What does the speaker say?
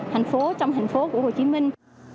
thành phố trong thành phố của hồ chí minh